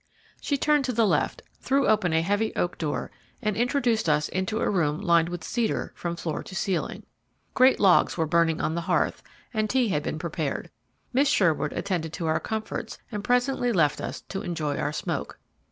She turned to the left, threw open a heavy oak door, and introduced us into a room lined with cedar from floor to ceiling. Great logs were burning on the hearth, and tea had been prepared. Miss Sherwood attended to our comforts, and presently left us to enjoy our smoke.